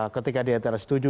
ketika dia tersetuju